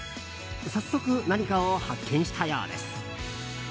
早速、何かを発見したようです。